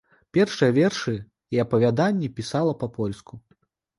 Першыя вершы і апавяданні пісала па-польску.